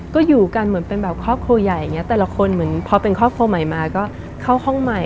ก็อยู่กันเหมือนเป็นแบบครอบครัวใหญ่อย่างนี้แต่ละคนเหมือนพอเป็นครอบครัวใหม่มาก็เข้าห้องใหม่